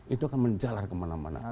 itu akan menjalar kemana mana